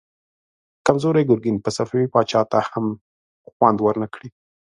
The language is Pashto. کمزوری ګرګين به صفوي پاچا ته هم خوند ورنه کړي.